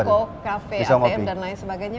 toko cafe atm dan lain sebagainya